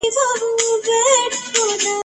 ځه ته هم پر هغه لاره چي یاران دي باندي تللي ..